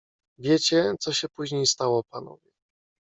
"Wiecie, co się później stało, panowie."